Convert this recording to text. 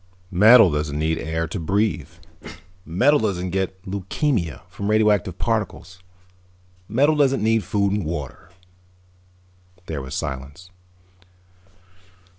Metal doesn't need air to breathe. Metal doesn't get leukemia from radioactive particles. Metal doesn't need food and water." There was silence.